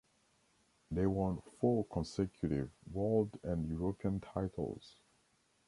They won four consecutive World and European titles.